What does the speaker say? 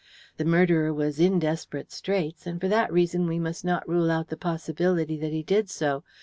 The murderer was in desperate straits, and for that reason we must not rule out the possibility that he did so.